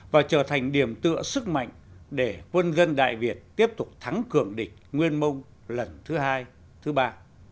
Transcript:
và trở thành điểm tựa sức mạnh để quân dân đại việt tiếp tục thắng cường địch nguyên mông lần thứ hai thứ ba